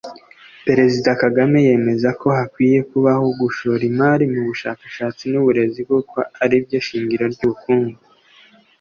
Perezida Kagame yemeza ko hakwiriye kubaho gushora imari mu bushakashatsi n’uburezi kuko ari byo shingiro ry’ubukungu